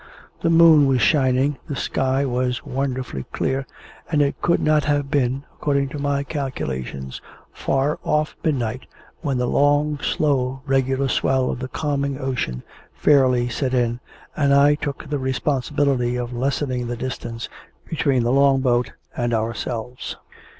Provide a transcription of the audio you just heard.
The moon was shining, the sky was wonderfully clear, and it could not have been, according to my calculations, far off midnight, when the long, slow, regular swell of the calming ocean fairly set in, and I took the responsibility of lessening the distance between the Long boat and ourselves.